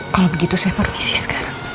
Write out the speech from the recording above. kalau begitu saya permisi sekarang